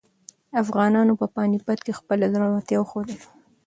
افغانانو په پاني پت کې خپله زړورتیا وښودله.